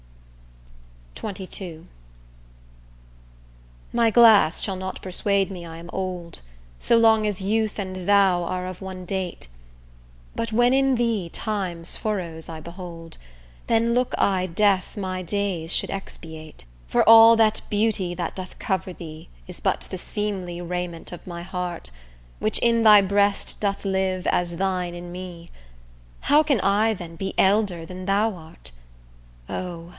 XXII My glass shall not persuade me I am old, So long as youth and thou are of one date; But when in thee time's furrows I behold, Then look I death my days should expiate. For all that beauty that doth cover thee, Is but the seemly raiment of my heart, Which in thy breast doth live, as thine in me: How can I then be elder than thou art? O!